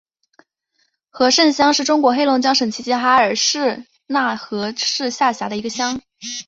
和盛乡是中国黑龙江省齐齐哈尔市讷河市下辖的一个乡。